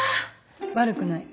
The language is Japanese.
悪くない。